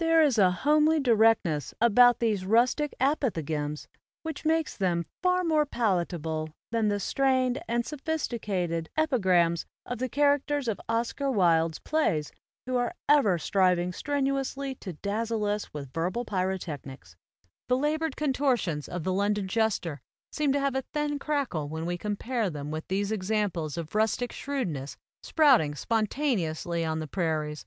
There is a homely directness about these rustic apothegms which makes them far more palatable than the strained and sophisticated 114 AMERICAN APHORISMS epigrams of the characters of Oscar Wilde's plays who are ever striving strenuously to dazzle us with verbal pyrotechnics. The labored con tortions of the London jester seem to have a thin crackle when we compare them with these examples of rustic shrewdness sprouting spontaneously on the prairies.